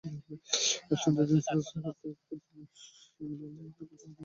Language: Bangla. স্ট্যান্ডার্ড ইনস্যুরেন্স কর্তৃপক্ষ জানায়, সম্প্রতি মানি রিসিট খুঁজে পেয়ে তারা সাবীকে পাঠিয়েছে।